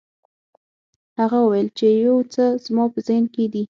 هغه وویل چې یو څه زما په ذهن کې دي.